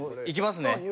いきますね。